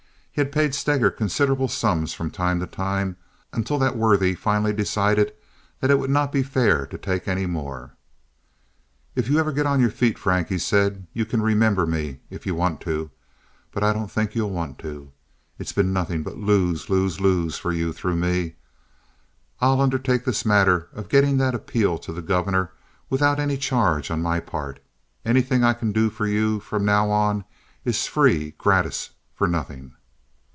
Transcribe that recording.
He had paid Steger considerable sums from time to time, until that worthy finally decided that it would not be fair to take any more. "If ever you get on your feet, Frank," he said, "you can remember me if you want to, but I don't think you'll want to. It's been nothing but lose, lose, lose for you through me. I'll undertake this matter of getting that appeal to the Governor without any charge on my part. Anything I can do for you from now on is free gratis for nothing."